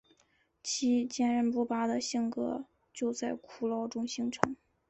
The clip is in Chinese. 其坚忍不拔的性格就在苦牢中形成。